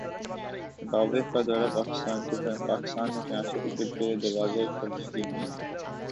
Zimbabwe کا دورہ Pakistan confirm Pakistan میں انٹرنیشنل کرکٹ کے دروازے کھلنے کی امید